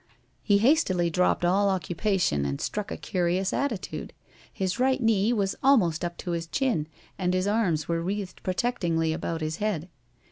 He hastily dropped all occupation and struck a curious attitude. His right knee was almost up to his chin, and his arms were wreathed protectingly about his head.